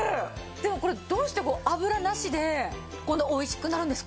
でもこれどうして油なしでこんな美味しくなるんですか？